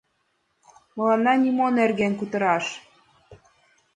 Мыланна нимо нерген кутыраш!